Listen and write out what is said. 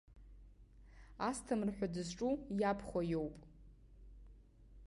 Асҭамыр ҳәа дызҿу иабхәа иоуп.